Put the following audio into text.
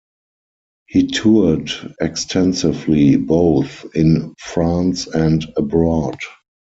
He toured extensively, both in France and abroad.